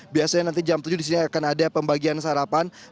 biasanya nanti jam tujuh di sini akan ada pembagian sarapan